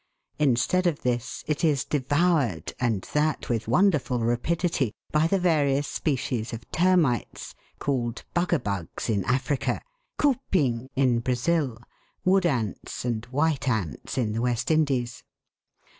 Instead of this, it is devoured, and that with wonderful rapidity, by the various species of Termites, called " Bugga bugs " in Africa, " Cupim " in Brazil, " wood ants " and " white ants " in the West Indies.